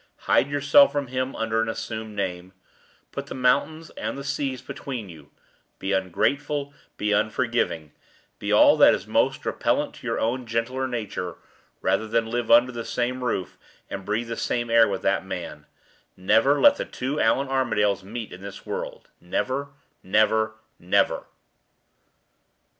Hide yourself from him under an assumed name. Put the mountains and the seas between you; be ungrateful; be unforgiving; be all that is most repellent to your own gentler nature, rather than live under the same roof and breathe the same air with that man. Never let the two Allan Armadales meet in this world; never, never, never!"